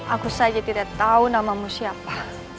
aku saja tidak tahu namamu siapa